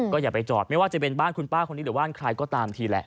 อย่าไปจอดไม่ว่าจะเป็นบ้านคุณป้าคนนี้หรือบ้านใครก็ตามทีแหละ